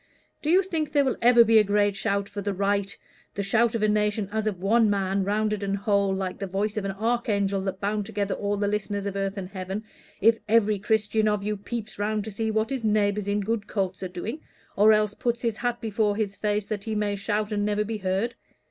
Do you think there will be a great shout for the right the shout of a nation as of one man, rounded and whole, like the voice of the archangel that bound together all the listeners of earth and heaven if every Christian of you peeps round to see what his neighbors in good coats are doing, or else puts his hat before his face that he may shout and never be heard?